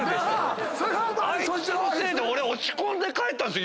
あいつのせいで俺落ち込んで帰ったんすよ。